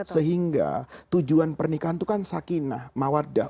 sehingga tujuan pernikahan itu kan sakinah mawadah